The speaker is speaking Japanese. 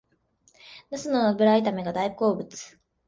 ナスの油炒めが大好物